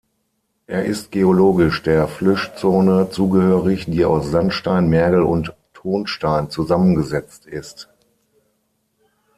Er ist geologisch der Flyschzone zugehörig, die aus Sandstein, Mergel und Tonstein zusammengesetzt ist.